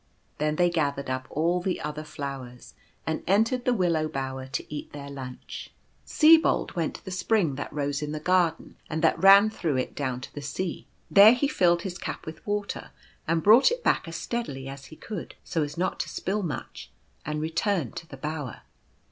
Then they gathered up all the other flowers, and entered the Willow Bower to eat their lunch. Sibold went to the spring J 68 Going to Sleep. that rose in the garden, and that ran through it down to the sea. There he filled his cap with water, and brought it back as steadily as he could, so as not to spill much ; and returned to the bower.